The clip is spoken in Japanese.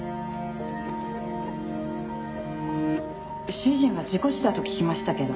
主人は事故死だと聞きましたけど。